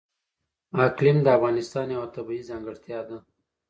اقلیم د افغانستان یوه طبیعي ځانګړتیا ده.